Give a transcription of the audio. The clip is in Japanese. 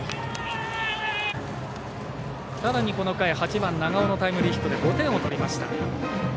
さらに、この回８番、長尾のタイムリーヒットで５点を取りました。